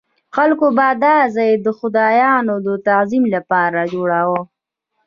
خلکو به دا ځای د خدایانو د تعظیم لپاره جوړاوه.